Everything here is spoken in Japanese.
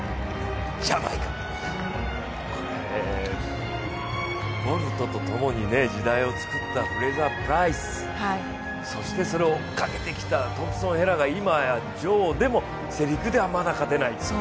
ジャマイカ、ボルトとともに時代を作ったフレイザー・プライス、そしてそれを追いかけてきたトンプソン・ヘラが今や女王、でも世陸ではまだ勝てない。